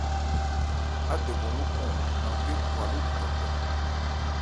Ádɛgɔn lókɔn nanpé khwa ló ndɔnndɔn.